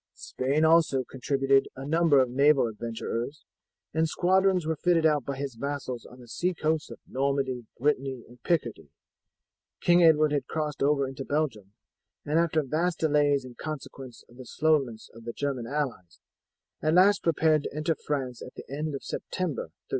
Spain also contributed a number of naval adventurers, and squadrons were fitted out by his vassals on the sea coasts of Normandy, Brittany, and Picardy. King Edward had crossed over into Belgium, and after vast delays in consequence of the slowness of the German allies, at last prepared to enter France at the end of September, 1339.